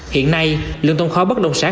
hiện nay lượng tồn kho bất động sản